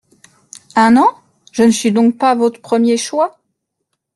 Un an? Je ne suis donc pas votre premier choix ?